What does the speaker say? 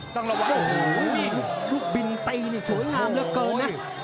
ต้องระวังโอ้โหลูกบินตีนี่สวยงามเหลือเกินนะ